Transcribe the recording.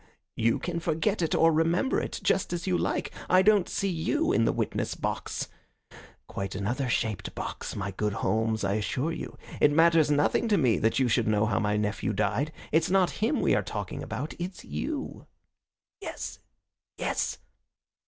"You can forget it or remember it, just as you like. I don't see you in the witnessbox. Quite another shaped box, my good Holmes, I assure you. It matters nothing to me that you should know how my nephew died. It's not him we are talking about. It's you." "Yes, yes."